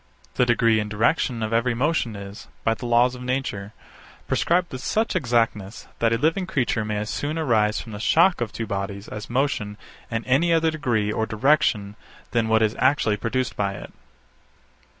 The degree and direction of every motion is, by the laws of nature, prescribed with such exactness that a living creature may as soon arise from the shock of two bodies as motion in any other degree or direction than what is actually produced by it.